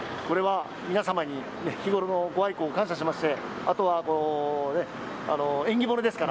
もうこれは皆さまに日頃のご愛顧を感謝しましてあとは縁起物ですから。